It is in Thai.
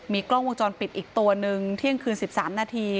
กล้องวงจรปิดอีกตัวหนึ่งเที่ยงคืน๑๓นาที